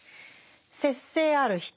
節制ある人